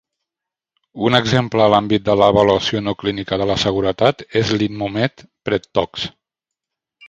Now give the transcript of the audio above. Un exemple a l'àmbit de l'avaluació no clínica de la seguretat és l'InnoMed PredTox.